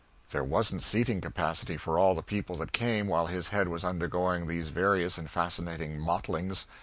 There wasn't seating capacity for all the people that came while his head was undergoing these various and fascinating mottlings.